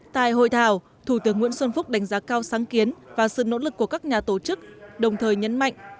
tại hội thảo thủ tướng nguyễn xuân phúc đánh giá cao sáng kiến và sự nỗ lực của các nhà tổ chức đồng thời nhấn mạnh